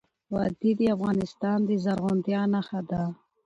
وادي د افغانستان د زرغونتیا نښه ده.